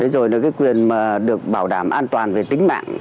rồi là quyền được bảo đảm an toàn về tính mạng